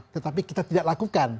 tetapi kita tidak lakukan